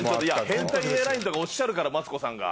変態エアラインとかおっしゃるからマツコさんが。